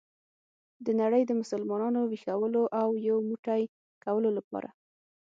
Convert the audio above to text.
د نړۍ د مسلمانانو ویښولو او یو موټی کولو لپاره.